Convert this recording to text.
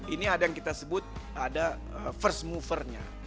ini ada yang kita sebut ada first movernya